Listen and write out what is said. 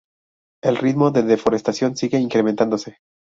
El ritmo de deforestación sigue incrementándose.